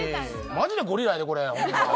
マジでゴリラやでこれホンマ。